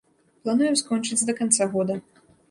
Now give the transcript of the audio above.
Плануем скончыць да канца года.